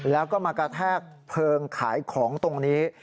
แล้วก็มากระแทกเพลิงขายของตรงนี้